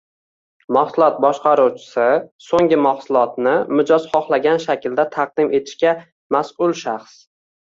Mahsulot boshqaruvchisi so’nggi maxsulotni mijoz xohlagan shaklda taqdim etishga mas’ul shaxs